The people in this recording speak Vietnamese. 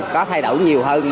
có thay đổi nhiều hơn